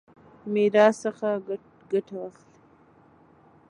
میراث څخه ګټه واخلي.